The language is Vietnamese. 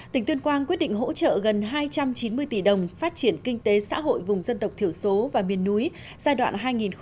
tỉnh tuyên quang quyết định hỗ trợ gần hai trăm chín mươi tỷ đồng phát triển kinh tế xã hội vùng dân tộc thiểu số và miền núi giai đoạn hai nghìn một mươi một hai nghìn ba mươi